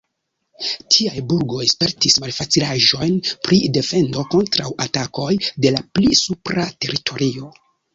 Tiaj burgoj spertis malfacilaĵojn pri defendo kontraŭ atakoj de la pli supra teritorio.